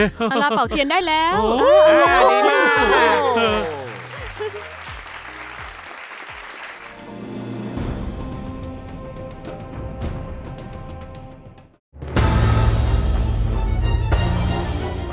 อร่าเปล่าเขียนได้แล้ว